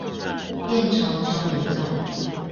燕巢交流道